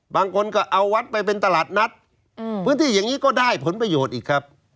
บางคนก็เอาวัดไปเป็นตลาดนัดพื้นที่อย่างนี้ก็ได้ผลประโยชน์อีกครับ